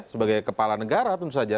sebagai kepala negara tentu saja